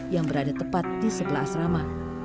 yang berada tepat di sebelah asrama